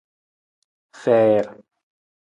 Fiir.